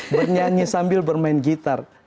bernyanyi sambil bermain gitar